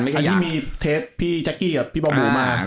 อันนี้มีเทสพี่จั๊กกี้กับพี่บอลบูมาก